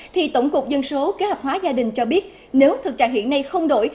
thì tổng cục dân số kế hoạch hóa gia đình cho biết nếu thực trạng hiện nay không đổi